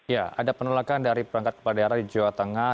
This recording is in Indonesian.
ya ada penolakan dari perangkat kepala daerah di jawa tengah